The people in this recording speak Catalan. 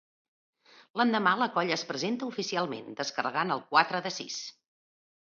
L'endemà, la colla es presenta oficialment, descarregant el quatre de sis.